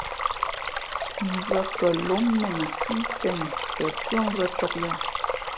Mvʉ̄ᾱ kαlóm mēn a pí sēn i tα pʉ́άmvʉ̄ᾱ cōb yα̌h.